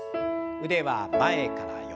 腕は前から横。